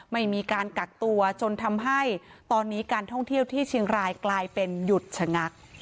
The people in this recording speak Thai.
ไม่มีการกักตัวจนทำให้ตอนนี้การท่องเที่ยวที่เชียงรายกลายเป็นหยุดชะงัก